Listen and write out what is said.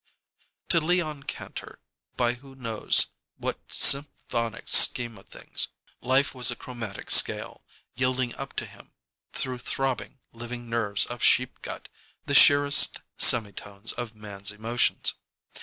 To Leon Kantor, by who knows what symphonic scheme of things, life was a chromatic scale, yielding up to him, through throbbing, living nerves of sheep gut, the sheerest semitones of man's emotions.